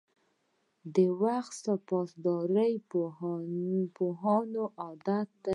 • د وخت پاسداري د پوهانو عادت دی.